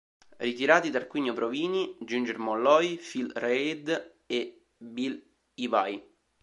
Ritirati Tarquinio Provini, Ginger Molloy, Phil Read e Bill Ivy.